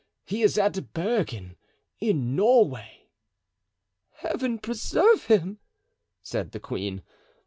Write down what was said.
He is at Bergen, in Norway." "Heaven preserve him!" said the queen.